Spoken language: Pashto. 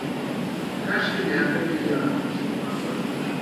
کشکې د هغې پيريان مسلمان وای